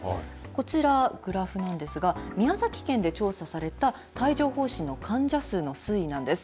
こちら、グラフなんですが、宮崎県で調査された、帯状ほう疹の患者数の推移なんです。